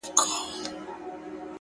• که دي دا هډوکی وکېښ زما له ستوني,